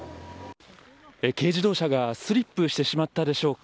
軽自動車がスリップしてしまったのでしょうか。